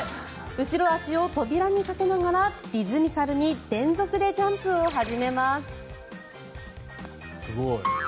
後ろ足を扉にかけながらリズミカルに連続でジャンプを始めます。